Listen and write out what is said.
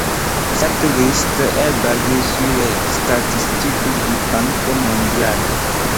Cette liste est basée sur les statistiques du Banque mondiale.